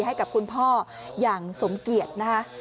ให้กับคุณพ่ออย่างสมเกียรตินะคะ